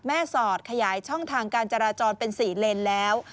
สอดขยายช่องทางการจราจรเป็น๔เลนแล้ว